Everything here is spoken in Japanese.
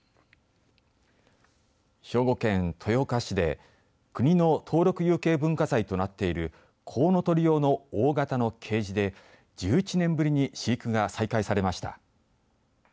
兵庫県豊岡市で国の登録有形文化財となっているコウノトリ用の大型のケージで１１年ぶりに飼育が再開されました。